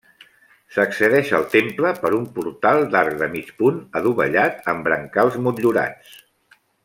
S'accedeix al temple per un portal d'arc de mig punt adovellat amb brancals motllurats.